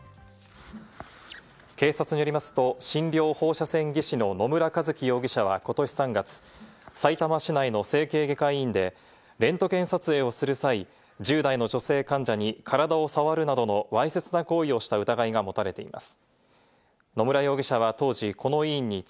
警察によりますと、診療放射線技師の乃村和樹容疑者はことし３月、さいたま市内の整形外科医院でレントゲン撮影をする際、１０代の女性患者に体を触るなどのわいせつな行為をした疑いが持たれています。